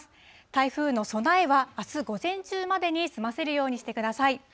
台風の備えは、あす午前中までに済ませるようにしてください。